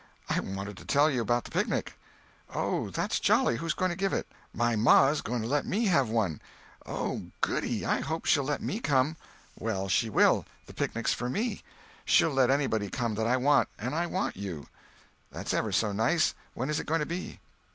I wanted to tell you about the picnic." "Oh, that's jolly. Who's going to give it?" "My ma's going to let me have one." "Oh, goody; I hope she'll let me come." "Well, she will. The picnic's for me. She'll let anybody come that I want, and I want you." "That's ever so nice. When is it going to be?"